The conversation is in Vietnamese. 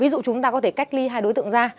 để cách ly hai đối tượng ra